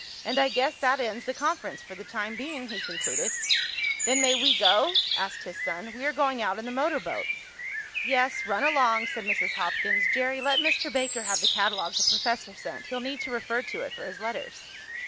And I guess that ends the conference, for the time being," he concluded. "Then may we go?" asked his son. "We are going out in the motor boat." "Yes, run along," said Mrs. Hopkins. "Jerry, let Mr. Baker have the catalogue the professor sent. He'll need to refer to it for his letters."